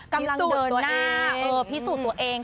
กำลังเปิดหน้าพิสูจน์ตัวเอง